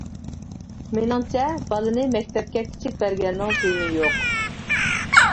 مېنىڭچە بالىنى مەكتەپكە كىچىك بەرگەننىڭ زىيىنى يوق.